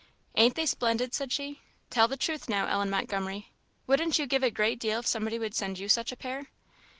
"Ain't they splendid?" said she. "Tell the truth, now, Ellen Montgomery, wouldn't you give a great deal if somebody would send you such a pair?"